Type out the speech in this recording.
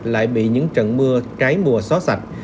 lại bị những trận mưa trái mùa xóa sạch